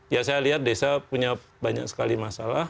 ya saya lihat desa punya banyak sekali masalah